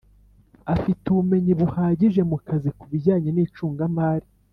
Afite ubumenyi buhagije mu kazi ku bijyanye n’icungamari